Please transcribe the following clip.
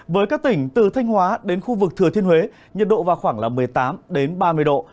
với các tỉnh từ thanh hóa đến khu vực thừa thiên huế nhiệt độ vào khoảng một mươi tám ba mươi độ